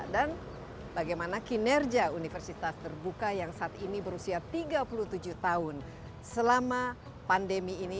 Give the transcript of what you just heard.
dan bagaimana kinerja universitas terbuka yang saat ini berusia tiga puluh tujuh tahun selama pandemi ini